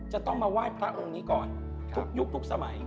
จะต้องมาไหว้พระองค์นี้ก่อนทุกยุคทุกสมัย